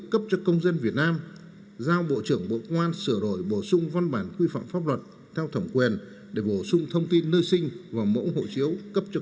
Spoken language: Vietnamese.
trước tình hình trên chính phủ nhận thấy việc nghiên cứu bổ sung thông tin nơi sinh vào trang nhân thân